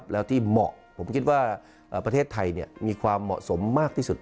แล้วที่เหมาะผมคิดว่าประเทศไทยมีความเหมาะสมมากที่สุด